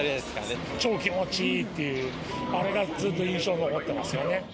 ちょー気持ちいいっていう、あれがずっと印象に残ってますよね。